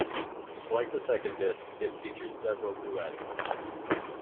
Like the second disc, it features several duets.